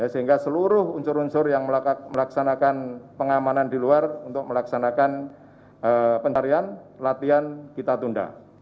sehingga seluruh unsur unsur yang melaksanakan pengamanan di luar untuk melaksanakan penarian latihan kita tunda